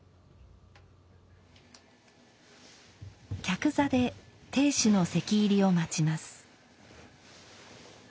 客座で亭主の席入りを待ちます。